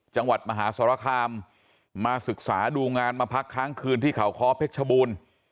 จังหวัดมหาสรคามมาศึกษาดูงานมาพักค้างคืนที่เขาคอเพชรชบูรณ์